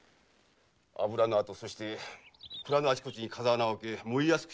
油の跡そして蔵のあちこちに風穴を開け燃えやすく細工も。